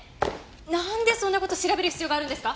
なんでそんな事調べる必要があるんですか？